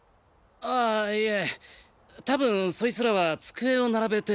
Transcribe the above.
あいえたぶんそいつらは机を並べて。